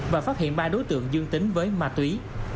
và phát hiện ba đối tượng dương tính với ma túy